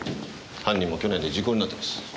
犯人も去年で時効になってます。